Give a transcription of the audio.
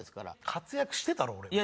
活躍してたろ俺も。